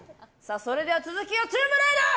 それでは続きをトゥームレイダー！